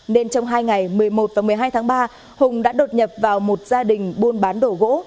nên trong hai ngày một mươi một và một mươi hai tháng ba hùng đã đột nhập vào một gia đình buôn bán đồ gỗ